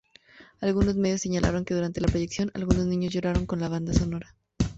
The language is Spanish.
Algunos medios señalaron que durante la proyección, algunos niños lloraron con la banda sonora.